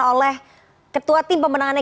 oleh ketua tim pemenangannya